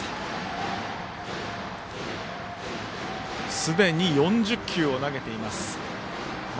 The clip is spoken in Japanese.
すでに４０球を投げています、風間。